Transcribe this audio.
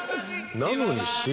なのに。